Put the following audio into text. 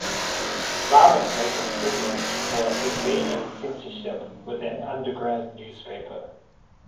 Raman was imprisoned for evading censorship with an underground newspaper.